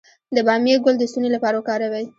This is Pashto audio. د بامیې ګل د ستوني لپاره وکاروئ